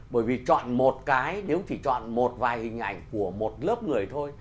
bởi vì chọn một cái nếu chỉ chọn một vài hình ảnh của một lớp người thôi